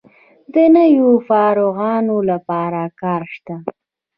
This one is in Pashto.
د نویو فارغانو لپاره کار شته؟